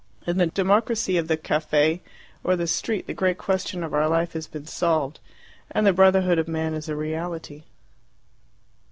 In the democracy of the caffe or the street the great question of our life has been solved, and the brotherhood of man is a reality.